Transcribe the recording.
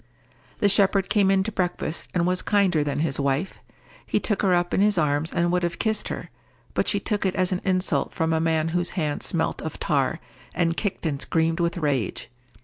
The shepherd came in to breakfast, and was kinder than his wife. He took her up in his arms and would have kissed her; but she took it as an insult from a man whose hands smelt of tar, and kicked and screamed with rage.